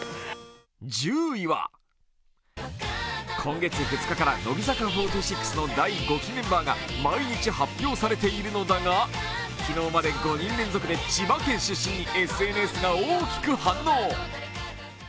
１０位は、今月２日から乃木坂４６の第５期メンバーが毎日発表されているのだが、昨日まで５人連続で千葉県出身、ＳＮＳが大きく反応。